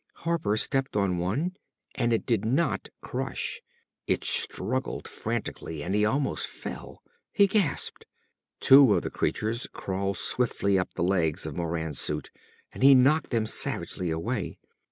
Harper stepped on one, and it did not crush. It struggled frantically and he almost fell. He gasped. Two of the creatures crawled swiftly up the legs of Moran's suit, and he knocked them savagely away.